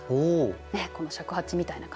ねっこの尺八みたいな感じ。